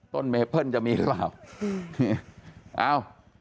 ต้นเมเปิ้ลจะมีหรือเปล่า